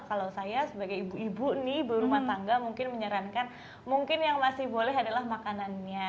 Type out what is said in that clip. kalau saya sebagai ibu ibu nih ibu rumah tangga mungkin menyarankan mungkin yang masih boleh adalah makanannya